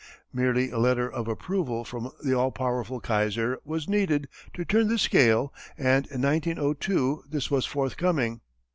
Merely a letter of approval from the all powerful Kaiser was needed to turn the scale and in 1902 this was forthcoming.